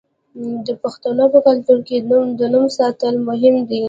د پښتنو په کلتور کې د نوم ساتل مهم دي.